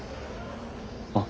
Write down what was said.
あっ。